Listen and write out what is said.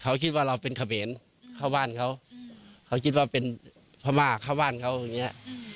เขาคิดว่าเราเป็นเขมรเข้าบ้านเขาเขาคิดว่าเป็นพม่าเข้าบ้านเขาอย่างเงี้ย